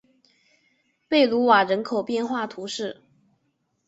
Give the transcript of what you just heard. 贝卢瓦人口变化图示